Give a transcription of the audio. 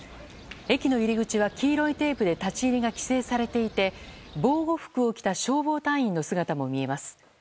駅の入り口は黄色いテープで立ち入りが規制されていて防護服を着た消防隊員の姿も見えます。